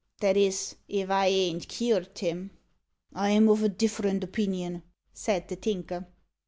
That is, if I ain't cured him." "I'm of a different opinion," said the Tinker.